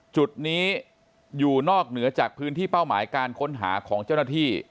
จุดนี้อยู่นอกเหนือจากพื้นที่เป้าหมายการค้นหาของเจ้าหน้าที่